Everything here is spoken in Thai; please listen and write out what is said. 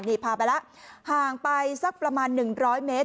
นี่พาไปแล้วห่างไปสักประมาณ๑๐๐เมตร